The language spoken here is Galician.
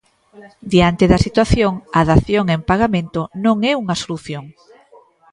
Diante da situación, a dación en pagamento "non é unha solución".